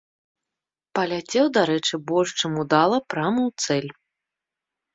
Паляцеў, дарэчы, больш чым удала прама ў цэль.